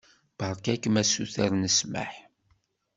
Beṛka-kem asuter n ssmaḥ.